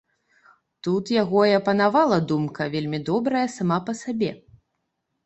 Тут яго і апанавала думка, вельмі добрая сама па сабе.